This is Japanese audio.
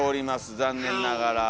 残念ながら。